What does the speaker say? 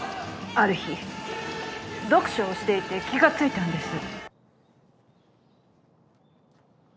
ある日読書をしていて気がついたんです。